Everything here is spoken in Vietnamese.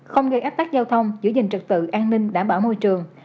không gây áp tác giao thông giữ gìn trật tự an ninh đảm bảo môi trường